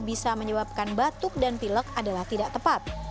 bisa menyebabkan batuk dan pilek adalah tidak tepat